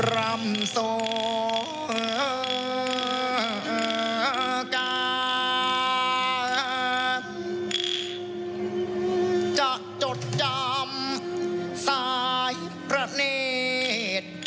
รำโสกาจะจดจำทรายประเนต